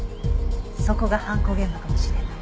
そこが犯行現場かもしれない。